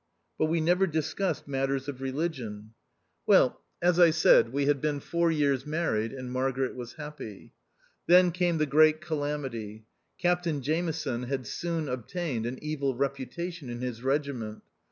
But we never discussed matters of religion. THE OUTCAST. 175 Well, as I said, we had been four years married, and Margaret was happy. Then came the great calamity. Captain Jameson had soon obtained an evil reputation in his regiment.